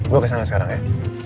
gue kesana sekarang ya